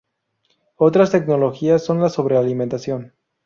Otras tecnologías son la sobrealimentación.